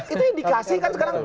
itu indikasi kan sekarang